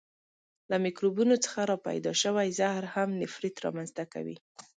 له میکروبونو څخه را پیدا شوی زهر هم نفریت را منځ ته کوي.